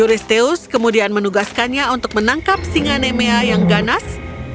juristeus kemudian menugaskannya untuk menangkap singa nemea yang ganas